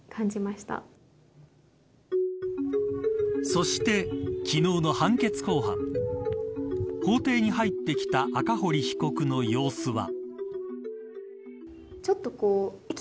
そして昨日の判決公判法廷に入ってきた赤堀被告の様子は。